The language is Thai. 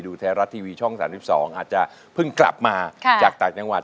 ไทยรัฐทีวีช่อง๓๒อาจจะเพิ่งกลับมาจากต่างจังหวัด